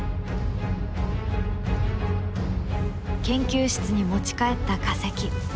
研究室に持ち帰った化石。